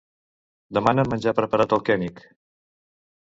Demana'm menjar preparat al König.